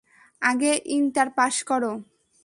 আগে inter pass করো।